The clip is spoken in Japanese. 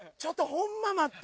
ホンマ待って。